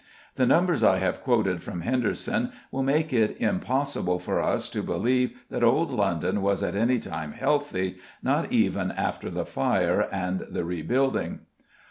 The numbers I have quoted from Henderson will make it impossible for us to believe that old London was at any time healthy, not even after the fire and the rebuilding.